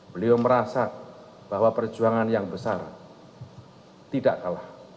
beliau merasa bahwa perjuangan yang besar tidak kalah